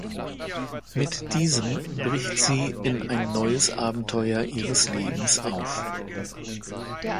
Mit diesem bricht sie in ein neues Abenteuer ihres Lebens auf.